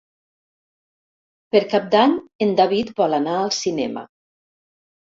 Per Cap d'Any en David vol anar al cinema.